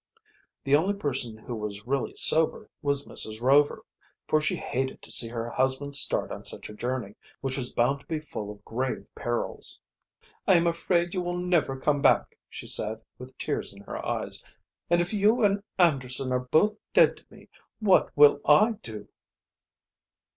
The only person who was really sober was Mrs. Rover, for she hated to see her husband start on such a journey, which was bound to, be full of grave perils. "I am afraid you will never come back," she said, with tears in her eyes. "And if you and Anderson are both dead to me, what will I do?"